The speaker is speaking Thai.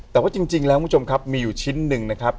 แต่ว่าจริงแล้วคุณผู้ชมครับมีอยู่ชิ้นหนึ่งนะครับ